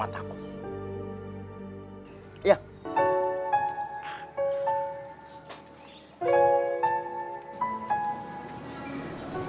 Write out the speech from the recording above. masakan kau hari ini yang terlalu pedas